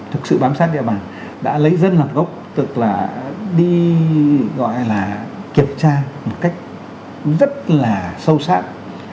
thực sự bám sát địa bàn đã lấy dân làm gốc tức là đi gọi là kiểm tra một cách rất là sâu sát